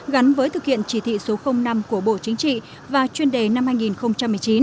gắn với thực hiện chỉ thị số năm của bộ chính trị và chuyên đề năm hai nghìn một mươi chín